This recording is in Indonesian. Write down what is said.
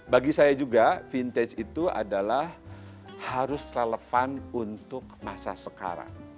bagi saya juga vintage itu adalah harus relevan untuk masa sekarang